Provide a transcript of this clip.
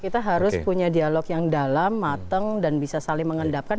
kita harus punya dialog yang dalam mateng dan bisa saling mengendapkan